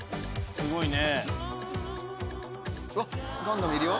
すごいね！